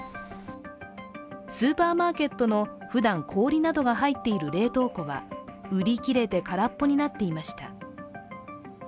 スーパーマーケットのふだん、氷などが入っている冷凍庫は売り切れて空っぽになっていました。